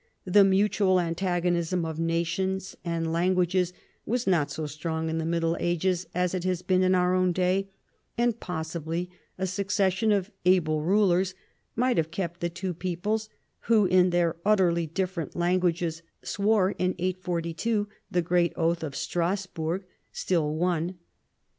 The mutual antagonism of nations and languages was not so strong in the Middle Ages as it has been in our own day, and possibly a succession of able rulers might have kept the two peoples, who in their utterly different languages swore in 842 the great oath of Strasburg,* still one.